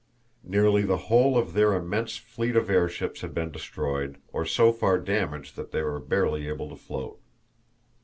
Nearly the whole of their immense fleet of airships had been destroyed, or so far damaged that they were barely able to float.